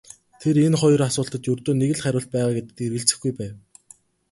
Тэр энэ хоёр асуултад ердөө нэг л хариулт байгаа гэдэгт эргэлзэхгүй байв.